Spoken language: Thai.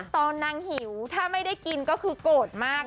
ตอนนางหิวถ้าไม่ได้กินก็คือโกรธมาก